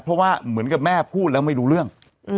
เพราะว่าเหมือนกับแม่พูดแล้วไม่รู้เรื่อง